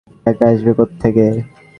টাকা আসবে কোত্থেকে?